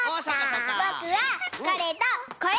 ぼくはこれとこれ。